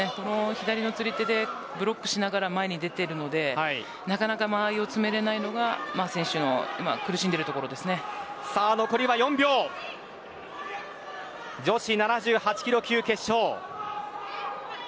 左の釣り手でブロックしながら前に出ているのでなかなか間合いをつめれないのがマ・ジェンジャオ選手の残りは４秒です女子７８キロ級決勝。